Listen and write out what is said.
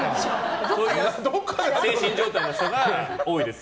そういう精神状態の人が多いです。